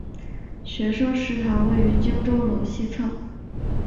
学生食堂位于荆州楼西侧。